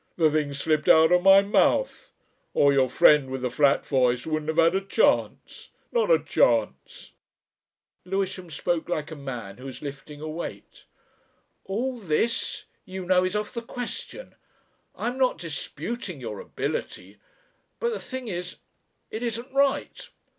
The thing slipped out of my mouth. Or your friend with, the flat voice wouldn't have had a chance. Not a chance." Lewisham spoke like a man who is lifting a weight. "All this, you know, is off the question. I'm not disputing your ability. But the thing is ... it isn't right."